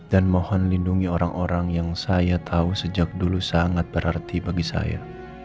dan mohon lindungi orang orang yang saya tahu sejak dulu sangat berarti bagi saya